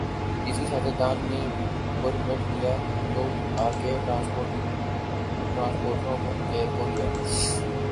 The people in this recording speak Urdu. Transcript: کسی سیاستدان نے پرمٹ لے لیا تو آگے ٹرانسپورٹروں کو دیا۔